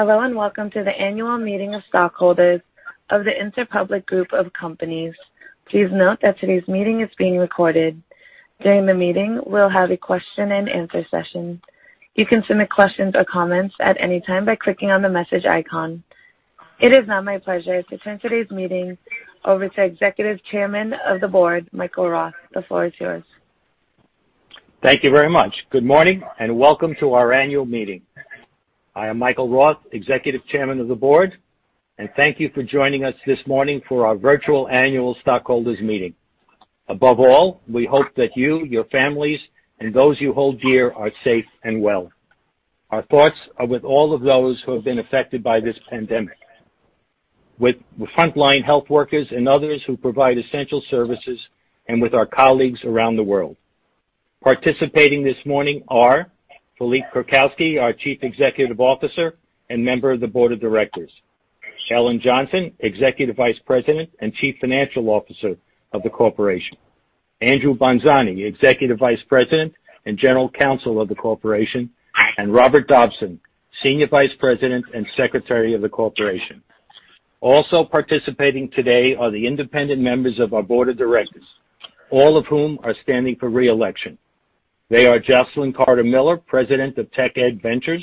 Hello, welcome to the annual meeting of stockholders of The Interpublic Group of Companies. Please note that today's meeting is being recorded. During the meeting, we'll have a question and answer session. You can submit questions or comments at any time by clicking on the message icon. It is now my pleasure to turn today's meeting over to Executive Chairman of the Board, Michael Roth. The floor is yours. Thank you very much. Good morning, and welcome to our annual meeting. I am Michael Roth, Executive Chairman of the Board. Thank you for joining us this morning for our virtual annual stockholders meeting. Above all, we hope that you, your families, and those you hold dear are safe and well. Our thoughts are with all of those who have been affected by this pandemic. With frontline health workers and others who provide essential services, with our colleagues around the world. Participating this morning are Philippe Krakowsky, our Chief Executive Officer and member of the Board of Directors. Ellen Johnson, Executive Vice President and Chief Financial Officer of the corporation. Andrew Bonzani, Executive Vice President and General Counsel of the corporation, and Robert Dobson, Senior Vice President and Secretary of the corporation. Also participating today are the independent members of our board of directors, all of whom are standing for re-election. They are Jocelyn Carter-Miller, President of TechEdVentures.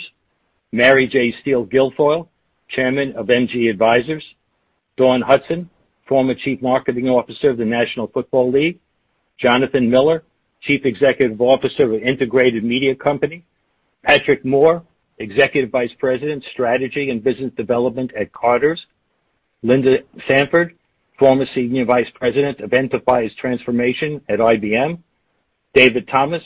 Mary J. Steele Guilfoile, Chairman of MG Advisors. Dawn Hudson, former Chief Marketing Officer of the National Football League. Jonathan Miller, Chief Executive Officer of Integrated Media Company. Patrick Moore, Executive Vice President, Strategy and Business Development at Carter's. Linda Sanford, former Senior Vice President of Enterprise Transformation at IBM. David Thomas,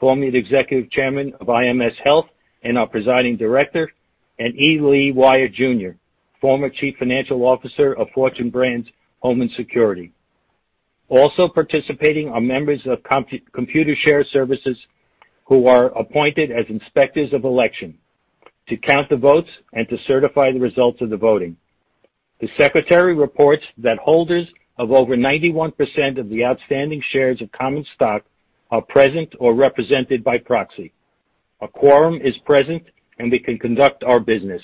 former Executive Chairman of IMS Health and our presiding director, and E. Lee Wyatt Jr., former Chief Financial Officer of Fortune Brands Home and Security. Also participating are members of Computershare Services who are appointed as inspectors of election to count the votes and to certify the results of the voting. The secretary reports that holders of over 91% of the outstanding shares of common stock are present or represented by proxy. A quorum is present, and we can conduct our business.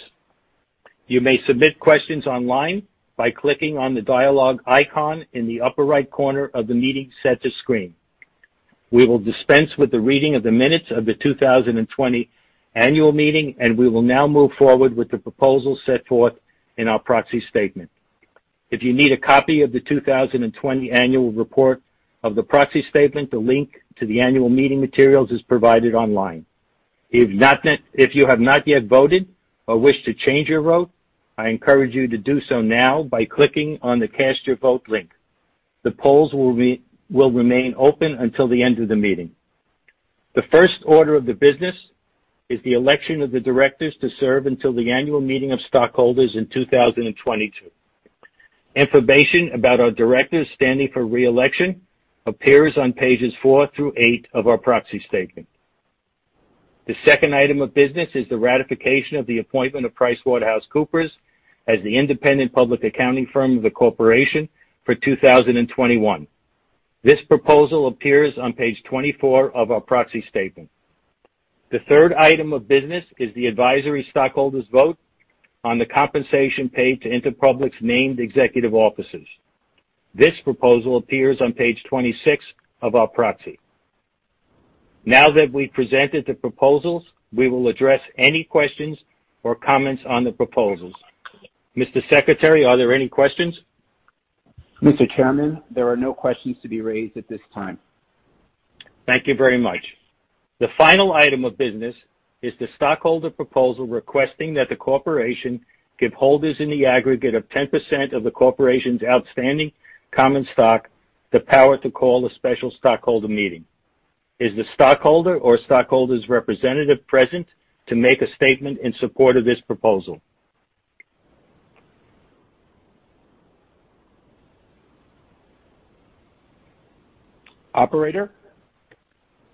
You may submit questions online by clicking on the dialogue icon in the upper right corner of the meeting center screen. We will dispense with the reading of the minutes of the 2020 annual meeting, and we will now move forward with the proposal set forth in our proxy statement. If you need a copy of the 2020 annual report of the proxy statement, the link to the annual meeting materials is provided online. If you have not yet voted or wish to change your vote, I encourage you to do so now by clicking on the Cast Your Vote link. The polls will remain open until the end of the meeting. The first order of the business is the election of the directors to serve until the annual meeting of stockholders in 2022. Information about our directors standing for re-election appears on pages four through eight of our proxy statement. The second item of business is the ratification of the appointment of PricewaterhouseCoopers as the independent public accounting firm of the corporation for 2021. This proposal appears on page 24 of our proxy statement. The third item of business is the advisory stockholders vote on the compensation paid to Interpublic's named executive officers. This proposal appears on page 26 of our proxy. Now that we've presented the proposals, we will address any questions or comments on the proposals. Mr. Secretary, are there any questions? Mr. Chairman, there are no questions to be raised at this time. Thank you very much. The final item of business is the stockholder proposal requesting that the corporation give holders in the aggregate of 10% of the corporation's outstanding common stock the power to call a special stockholder meeting. Is the stockholder or stockholder's representative present to make a statement in support of this proposal? Operator?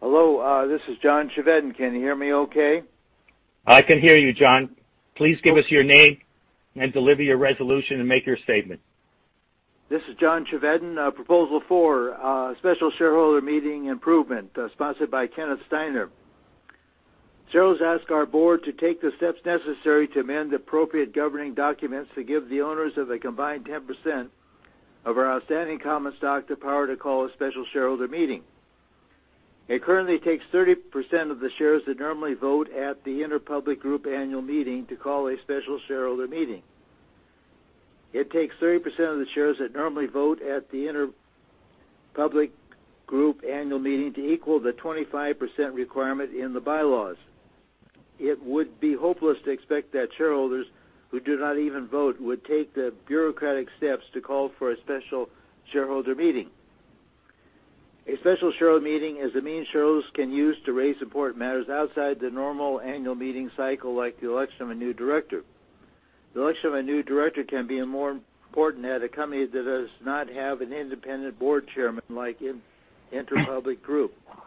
Hello, this is John Chevedden. Can you hear me okay? I can hear you, John. Please give us your name and deliver your resolution and make your statement. This is John Chevedden, proposal for special shareholder meeting improvement, sponsored by Kenneth Steiner. Shareholders ask our board to take the steps necessary to amend appropriate governing documents to give the owners of a combined 10% of our outstanding common stock the power to call a special shareholder meeting. It currently takes 30% of the shares that normally vote at the Interpublic Group annual meeting to call a special shareholder meeting. It takes 30% of the shares that normally vote at the Interpublic Group annual meeting to equal the 25% requirement in the bylaws. It would be hopeless to expect that shareholders who do not even vote would take the bureaucratic steps to call for a special shareholder meeting. A special shareholder meeting is a means shareholders can use to raise important matters outside the normal annual meeting cycle, like the election of a new director. The election of a new director can be more important at a company that does not have an independent board Chairman, like in The Interpublic Group of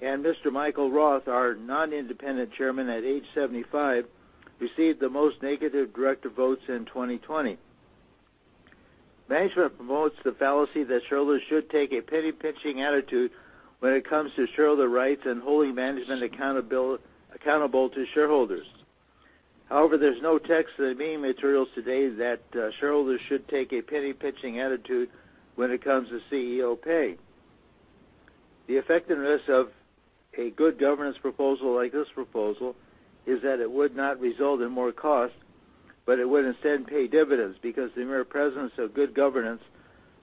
Companies. Mr. Michael Roth, our non-independent Chairman at age 75, received the most negative director votes in 2020. Management promotes the fallacy that shareholders should take a penny-pinching attitude when it comes to shareholder rights and holding management accountable to shareholders. However, there's no text in any materials today that shareholders should take a penny-pinching attitude when it comes to CEO pay. The effectiveness of a good governance proposal like this proposal is that it would not result in more cost, but it would instead pay dividends because the mere presence of good governance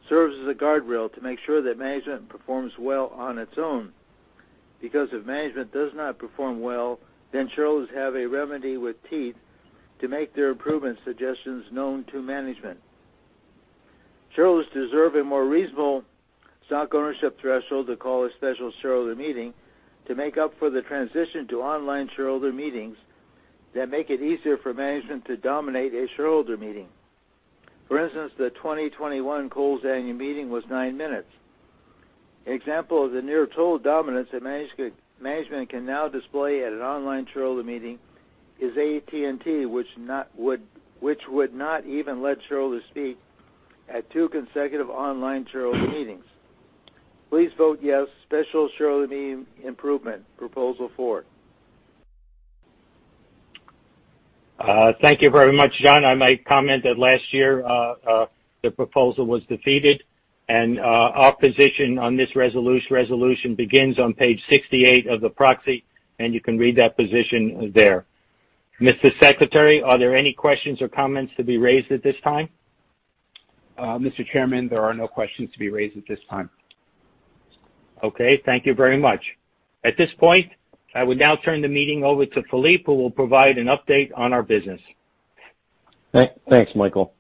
serves as a guardrail to make sure that management performs well on its own. If management does not perform well, shareholders have a remedy with teeth to make their improvement suggestions known to management. Shareholders deserve a more reasonable stock ownership threshold to call a special shareholder meeting to make up for the transition to online shareholder meetings that make it easier for management to dominate a shareholder meeting. For instance, the 2021 Kohl's annual meeting was nine minutes. An example of the near total dominance that management can now display at an online shareholder meeting is AT&T, which would not even let shareholders speak at two consecutive online shareholder meetings. Please vote yes, special shareholder meeting improvement, proposal four. Thank you very much, John. I might comment that last year the proposal was defeated, and opposition on this resolution begins on page 68 of the proxy, and you can read that position there. Mr. Secretary, are there any questions or comments to be raised at this time? Mr. Chairman, there are no questions to be raised at this time. Okay. Thank you very much. At this point, I would now turn the meeting over to Philippe, who will provide an update on our business. Thanks, Michael.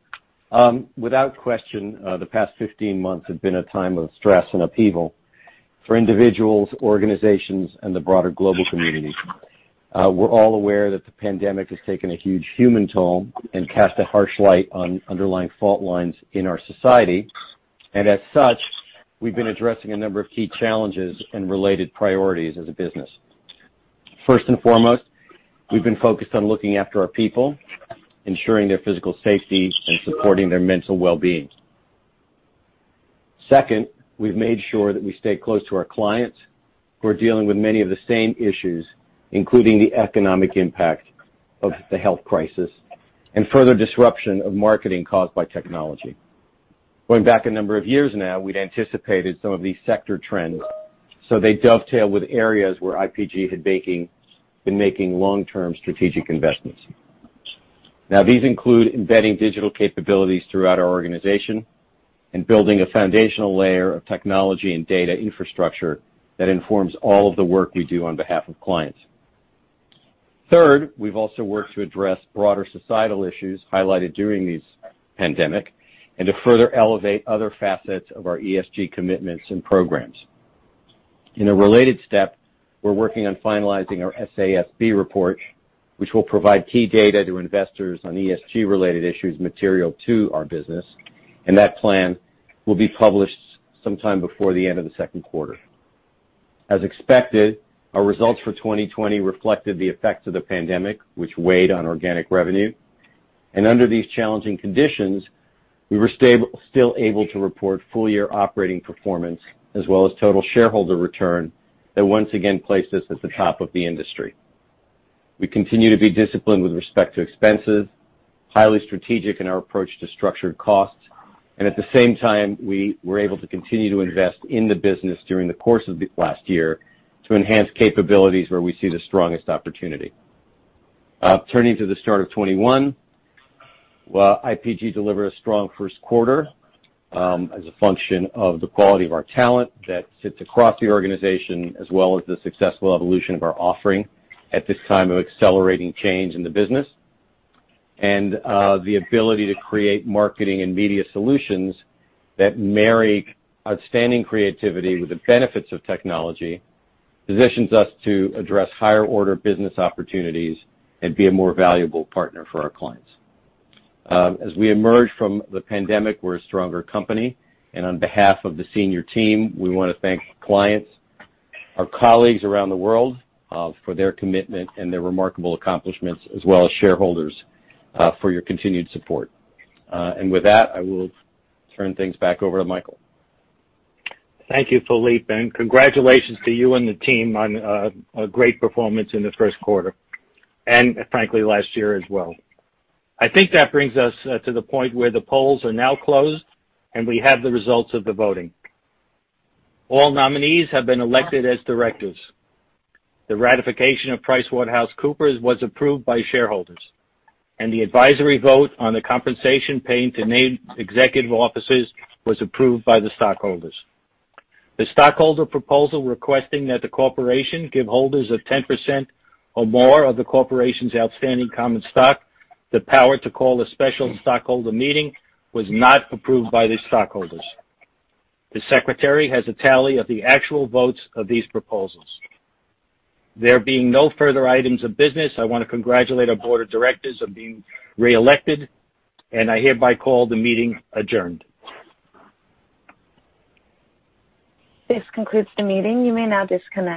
Without question, the past 15 months have been a time of stress and upheaval for individuals, organizations, and the broader global community. We're all aware that the pandemic has taken a huge human toll and cast a harsh light on underlying fault lines in our society, and as such, we've been addressing a number of key challenges and related priorities as a business. First and foremost, we've been focused on looking after our people, ensuring their physical safety, and supporting their mental well-being. Second, we've made sure that we stay close to our clients who are dealing with many of the same issues, including the economic impact of the health crisis and further disruption of marketing caused by technology. Going back a number of years now, we'd anticipated some of these sector trends, so they dovetail with areas where IPG had been making long-term strategic investments. These include embedding digital capabilities throughout our organization and building a foundational layer of technology and data infrastructure that informs all of the work we do on behalf of clients. Third, we've also worked to address broader societal issues highlighted during this pandemic and to further elevate other facets of our ESG commitments and programs. In a related step, we're working on finalizing our SASB report, which will provide key data to investors on ESG-related issues material to our business, and that plan will be published sometime before the end of the second quarter. As expected, our results for 2020 reflected the effect of the pandemic, which weighed on organic revenue. Under these challenging conditions, we were still able to report full-year operating performance as well as total shareholder return that once again placed us at the top of the industry. We continue to be disciplined with respect to expenses, highly strategic in our approach to structured costs, and at the same time, we were able to continue to invest in the business during the course of last year to enhance capabilities where we see the strongest opportunity. Turning to the start of 2021, IPG delivered a strong first quarter as a function of the quality of our talent that sits across the organization, as well as the successful evolution of our offering at this time of accelerating change in the business. The ability to create marketing and media solutions that marry outstanding creativity with the benefits of technology positions us to address higher-order business opportunities and be a more valuable partner for our clients. As we emerge from the pandemic, we're a stronger company, and on behalf of the senior team, we want to thank clients, our colleagues around the world for their commitment and their remarkable accomplishments, as well as shareholders for your continued support. With that, I will turn things back over to Michael. Thank you, Philippe, and congratulations to you and the team on a great performance in the first quarter, and frankly, last year as well. I think that brings us to the point where the polls are now closed, and we have the results of the voting. All nominees have been elected as directors. The ratification of PricewaterhouseCoopers was approved by shareholders, and the advisory vote on the compensation paid to named executive officers was approved by the stockholders. The stockholder proposal requesting that the corporation give holders of 10% or more of the corporation's outstanding common stock the power to call a special stockholder meeting was not approved by the stockholders. The Secretary has a tally of the actual votes of these proposals. There being no further items of business, I want to congratulate our board of directors on being reelected, and I hereby call the meeting adjourned. This concludes the meeting. You may now disconnect.